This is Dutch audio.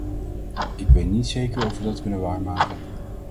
Ik weet niet zeker of we dat kunnen waarmaken.